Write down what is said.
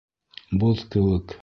Боҙ кеүек!